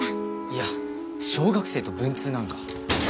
いや小学生と文通なんか。